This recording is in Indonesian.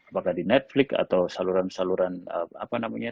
apakah di netflix atau saluran saluran apa namanya